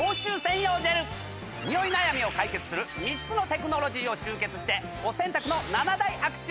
ニオイ悩みを解決する３つのテクノロジーを集結してお洗濯の。